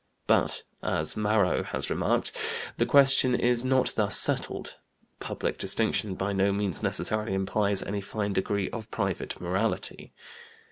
But, as Marro has remarked, the question is not thus settled. Public distinction by no means necessarily implies any fine degree of private morality.